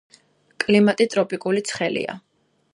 კლიმატი ტროპიკული ცხელია.